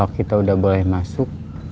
kita udah boleh masuk